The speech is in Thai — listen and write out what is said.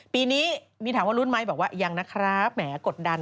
ปีนี้มีถามว่ารุ้นไหมบอกว่ายังนะครับแหมกดดัน